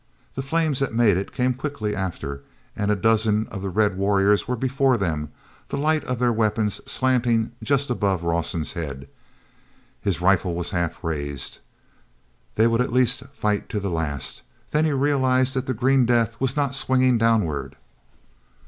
The flames that made it came quickly after and a dozen of the red warriors were before them, the light of their weapons slanting just above Rawson's head. His rifle was half raised—they would at least fight to the last. Then he realized that the green death was not swinging downward.